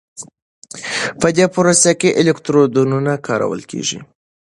په دې پروسه کې الکترودونه کارول کېږي.